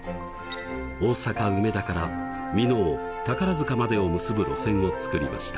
大阪・梅田から箕面宝塚までを結ぶ路線を作りました。